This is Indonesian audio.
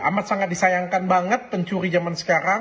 amat sangat disayangkan banget pencuri zaman sekarang